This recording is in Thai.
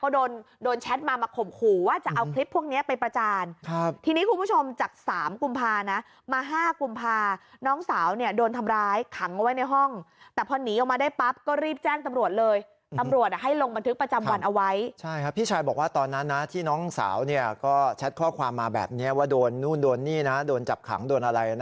ก็โดนโดนแชทมามาข่มขู่ว่าจะเอาคลิปพวกเนี้ยไปประจานครับทีนี้คุณผู้ชมจากสามกุมภานะมาห้ากุมภาน้องสาวเนี่ยโดนทำร้ายขังเอาไว้ในห้องแต่พอหนีออกมาได้ปั๊บก็รีบแจ้งตำรวจเลยตำรวจอ่ะให้ลงบันทึกประจำวันเอาไว้ใช่ครับพี่ชายบอกว่าตอนนั้นนะที่น้องสาวเนี่ยก็แชทข้อความมาแบบนี้ว่าโดนนู่นโดนนี่นะโดนจับขังโดนอะไรนะ